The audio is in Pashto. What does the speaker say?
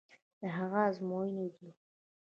د هغه ازموینې دي.